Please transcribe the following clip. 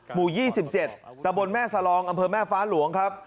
หมู่๒๗ตะบนแม่สลองอำเภอแม่ฟ้าหลวงครับ